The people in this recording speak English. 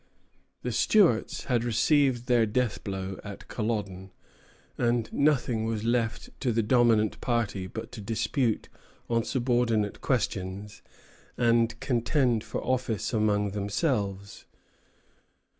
The Stuarts had received their death blow at Culloden; and nothing was left to the dominant party but to dispute on subordinate questions, and contend for office among themselves.